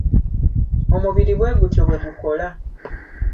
Omubiri bwe gutyo bwe gukola.